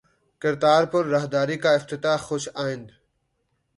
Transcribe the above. کرتارپور راہداری کا افتتاح خوش آئند